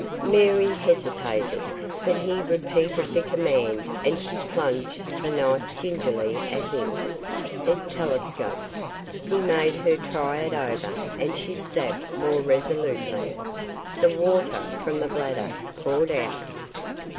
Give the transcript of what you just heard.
Mary hesitated. But he repeated the command and she plunged the knife gingerly at him. It telescoped. He made her try it over and she stabbed more resolutely. The water from the bladder poured out.